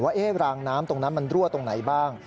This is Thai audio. รางน้ำตรงนั้นมันรั่วตรงไหนบ้าง